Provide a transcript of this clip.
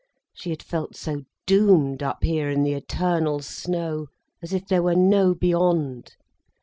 She had felt so doomed up here in the eternal snow, as if there were no beyond.